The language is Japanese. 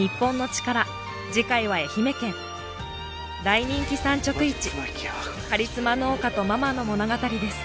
大人気産直市カリスマ農家とママの物語です。